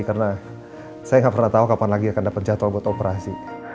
karena saya tidak pernah tahu kapan lagi akan dapat jadwal untuk operasi